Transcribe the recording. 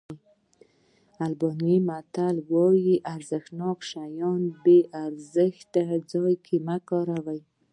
آلبانیا متل وایي ارزښتناک شیان په بې ارزښته ځای کې مه کاروئ.